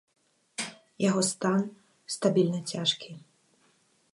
Яго стан стабільна цяжкі.